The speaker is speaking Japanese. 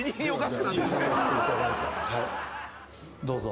どうぞ。